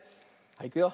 いくよ。